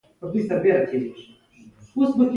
دا ټولي جملې نه دي .